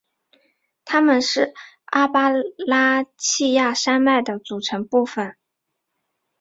它们是阿巴拉契亚山脉的组成部分。